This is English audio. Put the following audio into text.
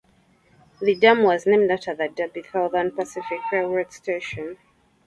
The dam was named after the Derby Southern Pacific Railroad station.